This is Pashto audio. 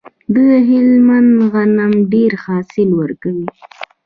د هلمند غنم ډیر حاصل ورکوي.